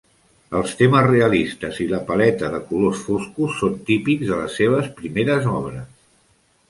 Els temes realistes i la paleta de colors foscs són típics de les seves primeres obres.